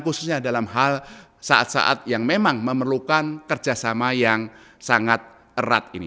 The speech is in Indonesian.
khususnya dalam hal saat saat yang memang memerlukan kerjasama yang sangat erat ini